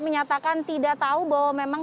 menyatakan tidak tahu bahwa memang